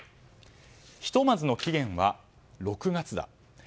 ひとまずの期限は６月だ。